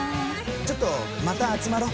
ちょっとまた集まろう。